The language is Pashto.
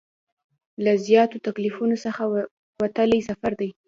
له زیاتو تکلیفونو څخه وتلی سفر دی.